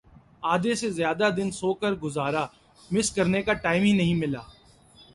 آدھے سے زیادہ دن سو کر گزارا مس کرنے کا ٹائم ہی نہیں ملا